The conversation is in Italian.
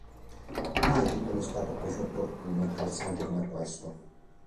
Mai titolo è stato così opportuno e calzante come questo.